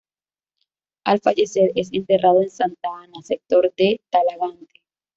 Al fallecer es enterrado en Santa Ana, sector de Talagante.